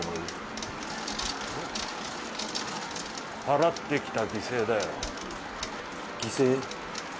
払ってきた犠牲だよ犠牲？